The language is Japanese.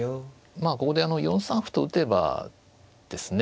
まあここで４三歩と打てばですね